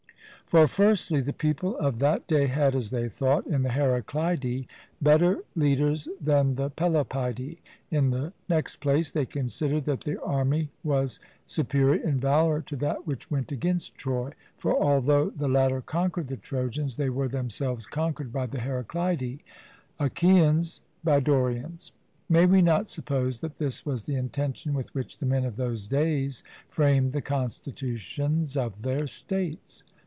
For, firstly, the people of that day had, as they thought, in the Heraclidae better leaders than the Pelopidae; in the next place, they considered that their army was superior in valour to that which went against Troy; for, although the latter conquered the Trojans, they were themselves conquered by the Heraclidae Achaeans by Dorians. May we not suppose that this was the intention with which the men of those days framed the constitutions of their states?